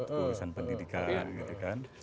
urusan pendidikan gitu kan